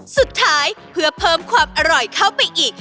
สุดท้ายเพื่อเพิ่มความอร่อยเข้าไปอีก